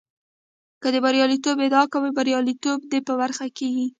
که د برياليتوب ادعا کوې برياليتوب دې په برخه کېږي.